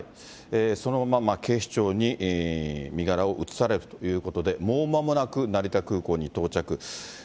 そのまま警視庁に身柄を移されるということで、もうまもなく、成田空港に到着。